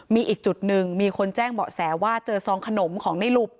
มีอีกจุดหนึ่งมีคนแจ้งเบาะแสว่าเจอซองขนมของในหลุบ